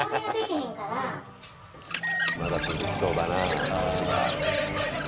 まだ続きそうだな話が。